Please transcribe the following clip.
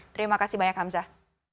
terima kasih banyak hamzah